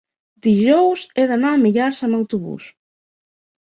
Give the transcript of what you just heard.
Dijous he d'anar a Millars amb autobús.